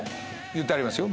言ってありますよ